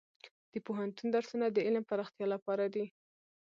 د پوهنتون درسونه د علم پراختیا لپاره دي.